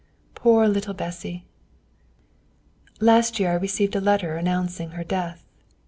Poor little Bessy! Last year I received a letter announcing her death.